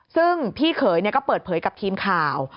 ซึ่งพี่เขยก็เปิดเผยกับทีมข่าว